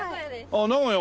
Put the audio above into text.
ああ名古屋